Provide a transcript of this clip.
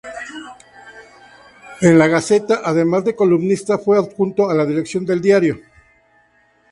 En "La Gaceta", además de columnista, fue adjunto a la Dirección del diario.